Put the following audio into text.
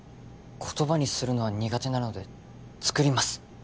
言葉にするのは苦手なので作ります